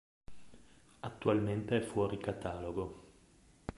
Attualmente è fuori catalogo.